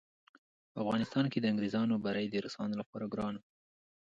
په افغانستان کې د انګریزانو بری د روسانو لپاره ګران وو.